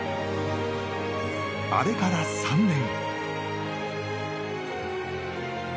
あれから３年。